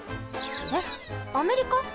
えっアメリカ？